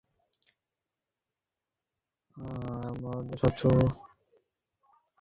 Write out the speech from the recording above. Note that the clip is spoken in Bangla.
তার স্বচ্ছ চোখ মাটি থেকে আকাশের দিকে নিবদ্ধ হল।